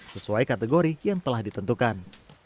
sesuai kategori yang telah ditentukan